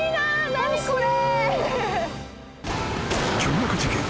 何これ？